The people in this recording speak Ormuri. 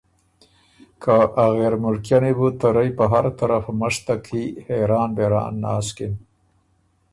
که ا غېرمُلکئني بُو تۀ رئ په هر طرف مشتک کی حېران بېران ناسکِن۔